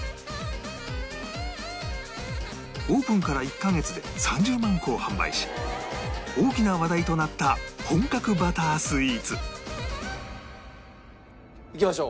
オープンから１カ月で３０万個を販売し大きな話題となった本格バタースイーツいきましょう。